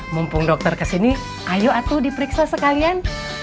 mumpung dokter kesini ayo atu diperiksa sekalian